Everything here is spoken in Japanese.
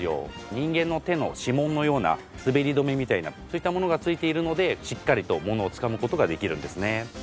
人間の手の指紋のような滑り止めみたいなそういったものがついているのでしっかりと物をつかむ事ができるんですね。